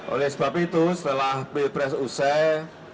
oleh sebab itu setelah pilpres usai